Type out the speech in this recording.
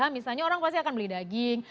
misalnya orang pasti akan beli daging